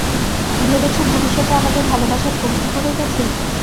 ভেবেছো ভবিষ্যতে আমাদের ভালোবাসার কমতি পড়ে গেছে?